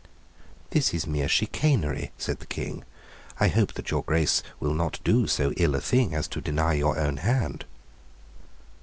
"This is mere chicanery," said the King. "I hope that your Grace will not do so ill a thing as to deny your own hand?